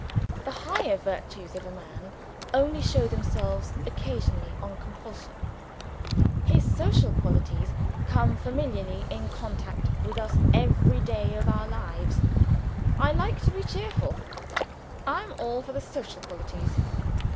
The higher virtues of a man only show themselves occasionally on compulsion, His social qualities come familiarly in contact with us every day of our lives. I like to be cheerful: I am all for the social qualities.